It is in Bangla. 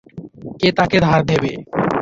কে তাকে ধার দেবে?